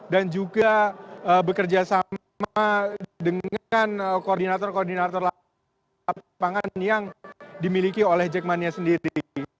dan juga bekerja sama dengan koordinator koordinator lapangan yang dimiliki oleh jackmania sendiri